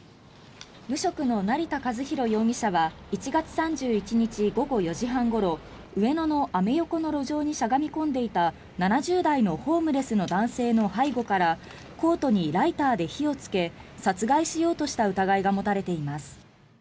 無職の成田和弘容疑者は１月３１日午後４時半ごろ上野のアメ横の路上にしゃがみ込んでいた７０代のホームレスの男性の背後からコートにライターで火をつけ殺害しようとした疑いが持たれています。